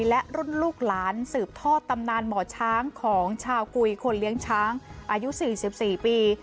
และรุ่นลูกหลานสืบทอดตำนานหมอช้างของชาวกุยคนเลี้ยงช้างอายุ๔๔ปี